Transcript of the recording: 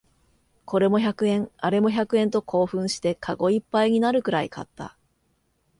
これも百円、あれも百円と興奮してカゴいっぱいになるくらい買った